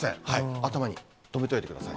頭に止めておいてください。